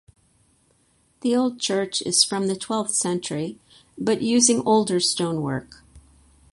The old church is from the twelfth century but using older stonework.